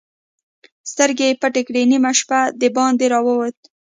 سترګې يې پټې کړې، نيمه شپه د باندې را ووت.